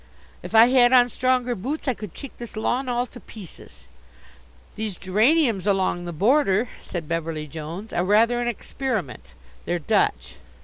If I had on stronger boots I could kick this lawn all to pieces." "These geraniums along the border," said Beverly Jones, "are rather an experiment. They're Dutch."